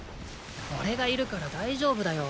おれがいるから大丈夫だよ。